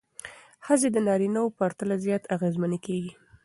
ښځې د نارینه وو پرتله زیات اغېزمنې کېږي.